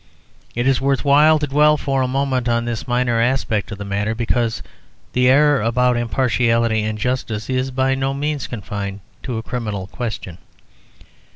It is worth while to dwell for a moment on this minor aspect of the matter because the error about impartiality and justice is by no means confined to a criminal question.